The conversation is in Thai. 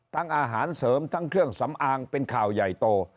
อาหารเสริมทั้งเครื่องสำอางเป็นข่าวใหญ่โต